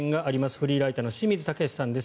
フリーライターの清水岳志さんです。